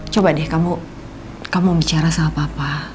coba deh kamu bicara sama papa